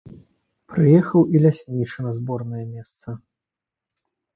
Прыехаў і ляснічы на зборнае месца.